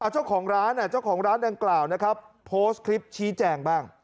เจ้าของร้านดังกล่าวนะครับโพสต์คลิปชี้แจ่งบ้าง